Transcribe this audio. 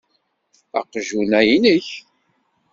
Aqjun-a inek.